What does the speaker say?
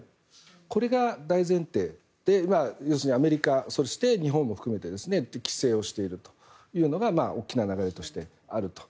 これが大前提でアメリカ、そして日本も含めて規制をしているというのが大きな流れとしてある。